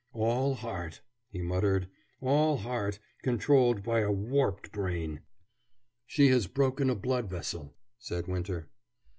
"All heart!" he muttered, "all heart, controlled by a warped brain!" "She has broken a blood vessel," said Winter.